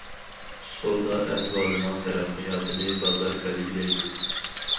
سودا ئەھۋالىنىڭ تەرەققىياتىنى بازار بەلگىلەيدۇ.